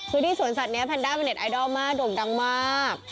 คือที่สวนสัตว์นี้แพนด้าเป็นเน็ตไอดอลมากโด่งดังมาก